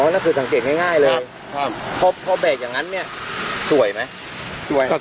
อ๋อนั่นคือสังเกตุให้ง่ายเลยครับครับพอแบกอย่างงั้นเนี้ยสวยไหม